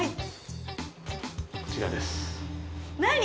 こちらです。